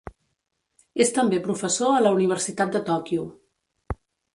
És també professor a la Universitat de Tòquio.